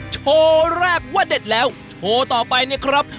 โชว์แรกว่าเด็ดแล้วโชว์ต่อไปเนี่ยครับ